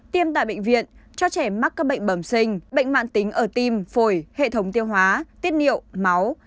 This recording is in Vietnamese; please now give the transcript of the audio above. tiêm tại bệnh viện cho trẻ mắc các bệnh bẩm sinh bệnh mạng tính ở tim phổi hệ thống tiêu hóa tiết niệu máu